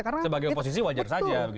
sebagai oposisi wajar saja